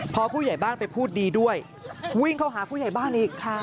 พอผู้ใหญ่บ้านไปพูดดีด้วยวิ่งเข้าหาผู้ใหญ่บ้านอีก